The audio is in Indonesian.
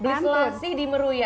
beli selasih di meruya